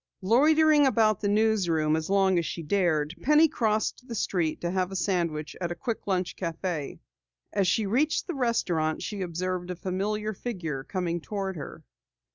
Loitering about the newsroom as long as she dared, Penny crossed the street to have a sandwich at a quick lunch cafe. As she reached the restaurant she observed a familiar figure coming toward her.